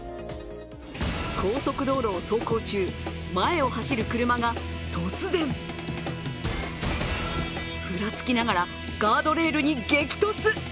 高速道路を走行中、前を走る車が突然ふらつきながらガードレールに激突。